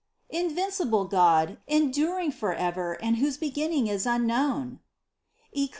Invincible God, enduring for ever and whose beginning is unknown (Eccli.